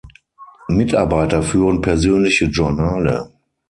Mitarbeiter führen persönliche Journale.